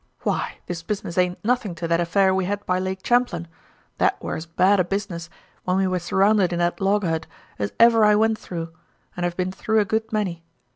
"Why, this business aint nothing to that affair we had by Lake Champlain. That were as bad a business, when we was surrounded in that log hut, as ever I went through and I've been through a good many.